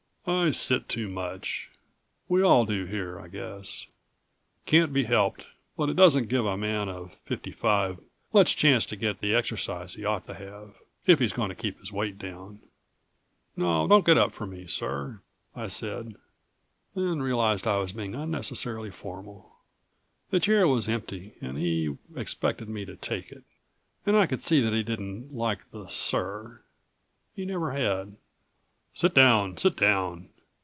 "I sit too much. We all do here, I guess. Can't be helped, but it doesn't give a man of fifty five much chance to get the exercise he ought to have, if he's going to keep his weight down." "No don't get up for me, sir!" I said, then realized I was being unnecessarily formal. The chair was empty and he expected me to take it. And I could see that he didn't like the "sir." He never had. "Sit down, sit down.